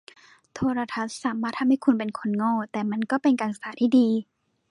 โทรทัศน์สามารถทำให้คุณเป็นคนโง่ แต่มันก็เป็นการศึกษาที่ดี